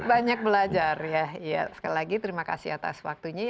banyak belajar ya sekali lagi terima kasih atas waktunya